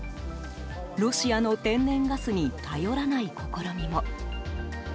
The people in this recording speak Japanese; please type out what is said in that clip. ロシアの天然ガスに頼らない試みも。